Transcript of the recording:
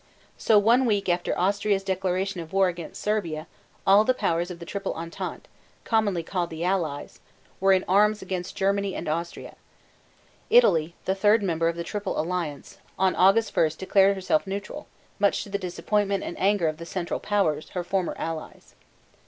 So one week after Austria's declaration of war against Serbia all the powers of the Triple Entente commonly called the Allies were in arms against Germany and Austria. Italy, the third member of the Triple Alliance, on August 1 declared herself neutral, much to the disappointment and anger of the Central Powers, her former allies.